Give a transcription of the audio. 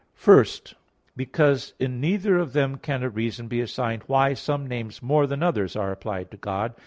First because in neither of them can a reason be assigned why some names more than others are applied to God.